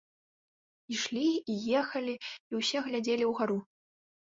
Ішлі і ехалі і ўсе глядзелі ўгару.